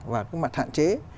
và cái mặt hạn chế